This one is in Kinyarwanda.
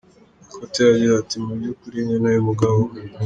Akothee yagize ati “Mu by’ukuri nkeneye umugabo,.